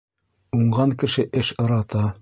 Уңған кеше эш ырата